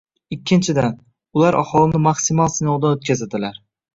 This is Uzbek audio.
Ikkinchidan, ular aholini maksimal sinovdan o'tkazadilar